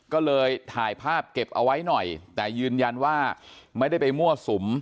ก็เลยถ่ายภาพเก็บเอาไว้หน่อยแต่ยืนยันว่าไม่ได้ไปมั่วสุม